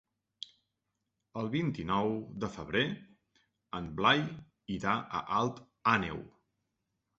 El vint-i-nou de febrer en Blai irà a Alt Àneu.